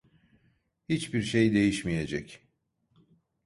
Hiçbir şey değişmeyecek.